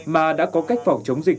mà đã có cách phỏng chống dịch